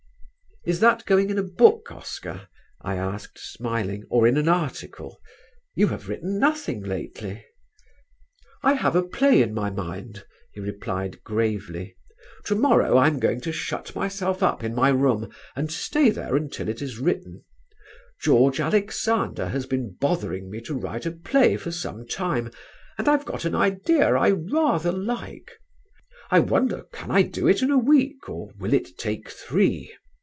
"Is that going in a book, Oscar?" I asked, smiling, "or in an article? You have written nothing lately." "I have a play in my mind," he replied gravely. "To morrow I am going to shut myself up in my room, and stay there until it is written. George Alexander has been bothering me to write a play for some time and I've got an idea I rather like. I wonder can I do it in a week, or will it take three?